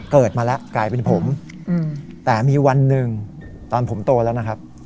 เกิดมาแล้วกลายเป็นผมแต่มีวันหนึ่งตอนผมโตแล้วนะครับ